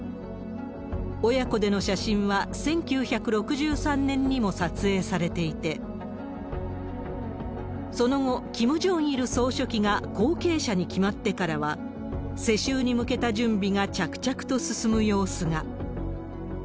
親子での写真は、１９６３年にも撮影されていて、その後、キム・ジョンイル総書記が後継者に決まってからは、世襲に向けた準備が着々と進む様子が。